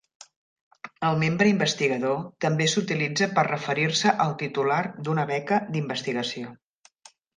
El membre investigador, també s'utilitza per referir-se al titular d'una beca d'investigació.